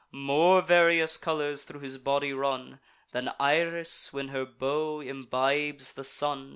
More various colours thro' his body run, Than Iris when her bow imbibes the sun.